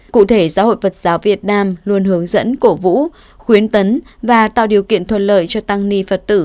cụ thể giáo hội phật giáo việt nam luôn hướng dẫn cổ vũ khuyến tấn và tạo điều kiện thuận lợi cho tăng ni phật tử